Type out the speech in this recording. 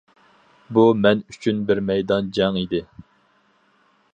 بۇ مەن ئۈچۈن بىر مەيدان جەڭ ئىدى.